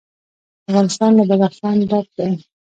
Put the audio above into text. افغانستان له بدخشان ډک دی.